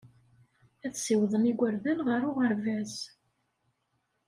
Ad ssiwḍen igerdan ɣer uɣerbaz.